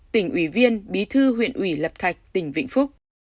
tỉnh ủy viên bí thư huyện ủy lập thạch tỉnh vĩnh phúc